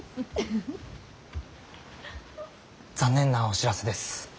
残念なお知らせです。